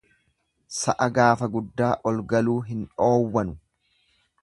Sa'a gaafa guddaa olgaluu hin dhoowwanu.